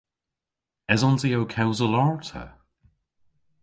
Esons i ow kewsel arta?